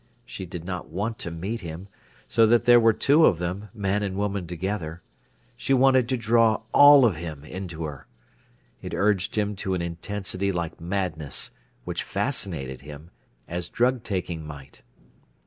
She did not want to meet him, so that there were two of them, man and woman together. She wanted to draw all of him into her. It urged him to an intensity like madness, which fascinated him, as drug taking might.